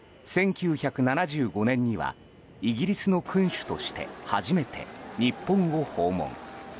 １９７５年にはイギリスの君主として初めて日本を訪問。